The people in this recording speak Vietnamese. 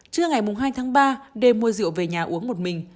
trưa ngày hai tháng ba đêm mua rượu về nhà uống một mình